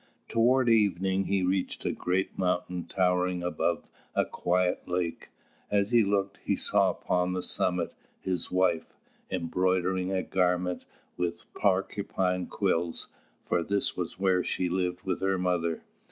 Towards evening he reached a great mountain towering above a quiet lake. As he looked, he saw upon the summit, his wife, embroidering a garment with porcupine quills, for this was where she lived with her mother.